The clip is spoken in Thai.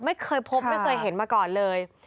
ไม่เคยพบไม่เคยเห็นมาก่อนเลย